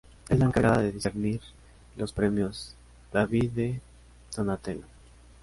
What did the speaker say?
Es la encargada de discernir los premios David de Donatello.